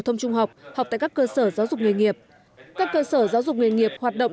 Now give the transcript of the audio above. thông trung học học tại các cơ sở giáo dục nghề nghiệp các cơ sở giáo dục nghề nghiệp hoạt động